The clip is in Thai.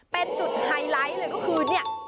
เป็นจุดไฮไลท์เลยก็คือเนี่ย